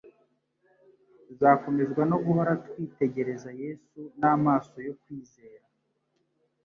Tuzakomezwa no guhora twitegereza Yesu n'amaso yo kwizera.